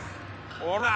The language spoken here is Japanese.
ほら！